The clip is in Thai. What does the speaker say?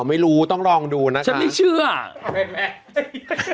ไม่รู้ต้องลองดูนะฉันไม่เชื่ออ๋อขอเว็บไงว่า